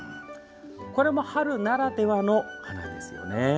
これも春ならではの花ですよね。